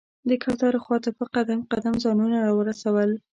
د کوترو خواته په قدم قدم ځانونه راورسول.